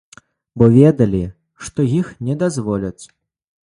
Бо ведалі, што іх не дазволяць.